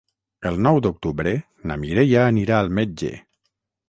El nou d'octubre na Mireia anirà al metge.